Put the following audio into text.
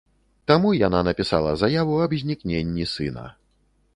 Таму яна напісала заяву аб знікненні сына.